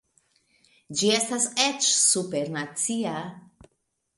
Ĝi estas eĉ supernacia.